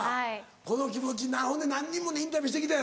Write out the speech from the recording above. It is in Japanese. この気持ちほんで何人もにインタビューしてきたやろ。